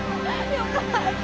よかった。